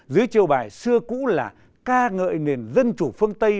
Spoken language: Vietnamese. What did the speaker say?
dưới chiêu bài xưa cũ là ca ngợi nền dân chủ phương tây